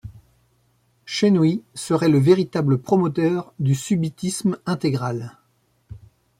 Shenhui serait le véritable promoteur du subitisme intégral.